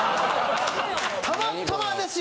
たまたまですよ。